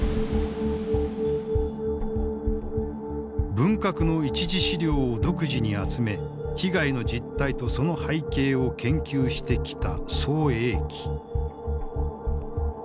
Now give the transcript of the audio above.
文革の一次資料を独自に集め被害の実態とその背景を研究してきた宋永毅。